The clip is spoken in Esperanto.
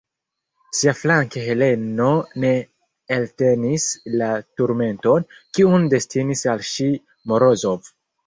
Siaflanke Heleno ne eltenis la turmenton, kiun destinis al ŝi Morozov.